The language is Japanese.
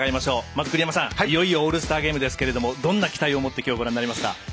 まず、栗山さんオールスターゲームですけれどもどんな期待を持ってきょうご覧になりますか？